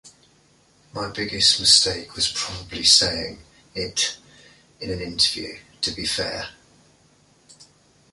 My biggest mistake was probably saying it in an interview, to be fair.